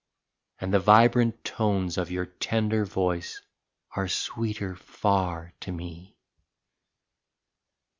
And the vibrant tones of your tender voice Are sweeter far to me.